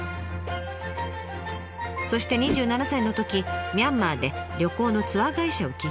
そして２７歳のときミャンマーで旅行のツアー会社を起業します。